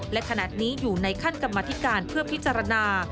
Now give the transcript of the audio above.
และขณะนี้อยู่ในขั้นกรรมธิการเพื่อพิจารณา